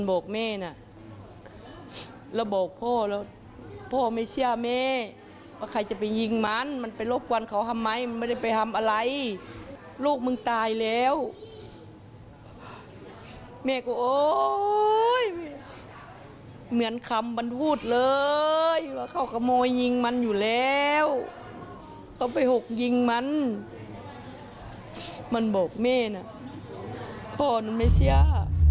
โอ้ยเหมือนคำมันพูดเลยว่าเขากระโมยยิงมันอยู่แล้วเขาไปหกยิงมันมันบอกแม่นะพ่อนั้นไม่เชื่อ